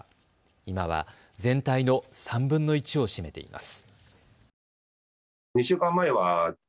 今は全体の３分の１を占めています。